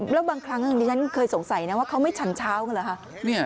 แล้วบางครั้งดิฉันเคยสงสัยนะว่าเขาไม่ฉันเช้ากันเหรอคะ